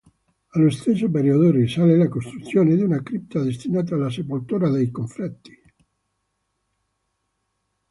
Allo stesso periodo risale la costruzione di una cripta destinata alla sepoltura dei confrati.